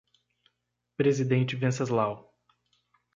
Presidente Venceslau